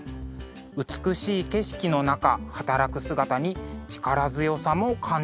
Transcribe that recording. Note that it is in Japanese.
美しい景色の中働く姿に力強さも感じます。